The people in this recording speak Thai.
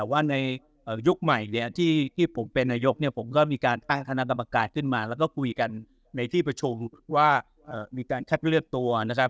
ว่าในยุคใหม่เนี่ยที่ผมเป็นนายกเนี่ยผมก็มีการตั้งคณะกรรมการขึ้นมาแล้วก็คุยกันในที่ประชุมว่ามีการคัดเลือกตัวนะครับ